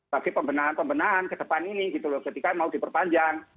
pada pembinaan pembinaan ke depan ini gitu loh ketika mau diperpanjang